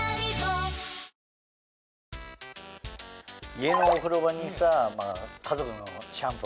家のお風呂場にさ家族のシャンプーあるじゃない。